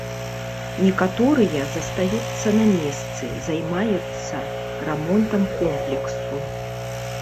Некаторыя застаюцца на месцы, займаецца рамонтам комплексу.